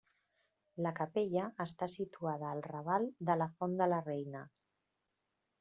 La capella està situada al raval de la Font de la Reina.